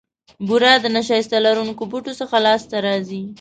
بوره د نیشاسته لرونکو بوټو څخه لاسته راځي.